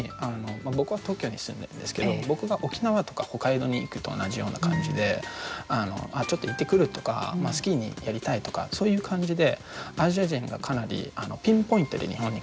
僕は東京に住んでるんですけど僕が沖縄とか北海道に行くと同じような感じであっちょっと行ってくるとかスキーやりたいとかそういう感じでアジア人がかなりピンポイントで日本に来たりすることが多いです。